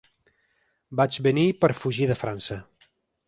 Vaig venir per fugir de França.